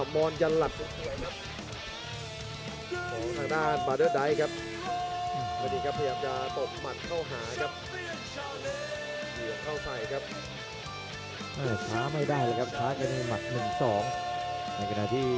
โปรดติดตามตอนต่อไป